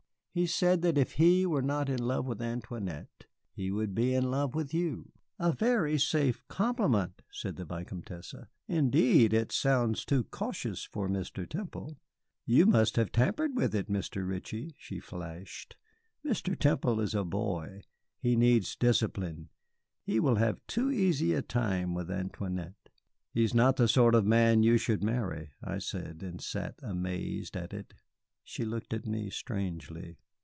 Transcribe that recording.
"He said that if he were not in love with Antoinette, he would be in love with you." "A very safe compliment," said the Vicomtesse. "Indeed, it sounds too cautious for Mr. Temple. You must have tampered with it, Mr. Ritchie," she flashed. "Mr. Temple is a boy. He needs discipline. He will have too easy a time with Antoinette." "He is not the sort of man you should marry," I said, and sat amazed at it. She looked at me strangely.